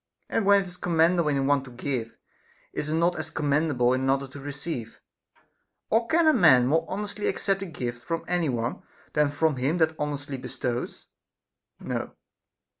And when it is commendable in one to give, is it not as commendable in another to receive ? Or can a man more honestly accept a gift from any one, than from him that honestly bestows ? No.